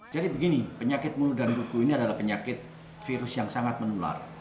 jadi begini penyakit mulut dan kuku ini adalah penyakit virus yang sangat menular